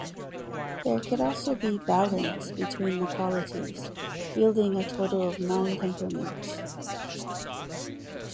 There could also be "balance" between the qualities, yielding a total of nine temperaments.